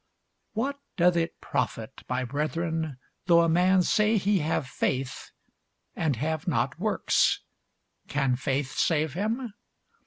What doth it profit, my brethren, though a man say he hath faith, and have not works? can faith save him?